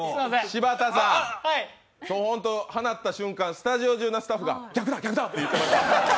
柴田さん、放った瞬間、スタジオ中のスタッフが逆だ逆だって言ってました。